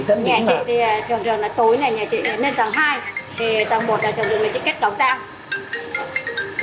nhà chị thường thường là tối này nhà chị lên tầng hai tầng một là thường thường là chị kết tóc ra